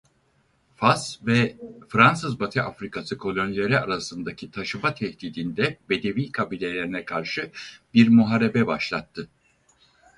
Fas ve Fransız Batı Afrikası kolonileri arasındaki taşıma tehdidinde Bedevi kabilelerine karşı bir muharebe başlattı.